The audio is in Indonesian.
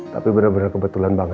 tapi bener bener kebetulan banget ya